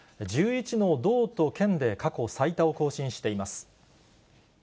１１の道と県で過去最多を更新しています。